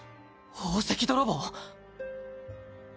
宝石泥棒⁉